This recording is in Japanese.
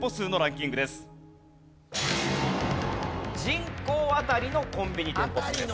人口あたりのコンビニ店舗数です。